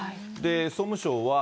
総務省は。